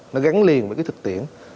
nó gắn liền với cái thực tiễn